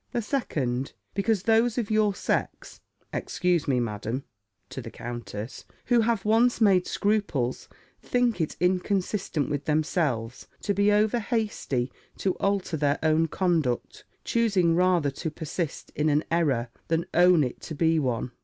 The second, Because those of your sex (Excuse me, Madam," to the countess) "who have once made scruples, think it inconsistent with themselves to be over hasty to alter their own conduct, choosing rather to persist in an error, than own it to be one."